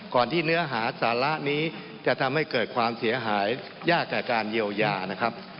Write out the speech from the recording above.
ที่เนื้อหาสาระนี้จะทำให้เกิดความเสียหายยากจากการเยียวยานะครับ